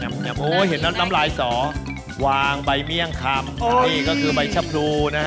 โอ้ยเห็นนั้นตำรายสอวางใบเมี่ยงคำอันนี้ก็คือใบชะพรูนะฮะอ๋ออ๋อล่ะ